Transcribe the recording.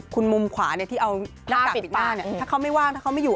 คุณมุมขวาที่เอานากากปิดหน้าถ้าเขาไม่ว่างถ้าเขาไม่อยู่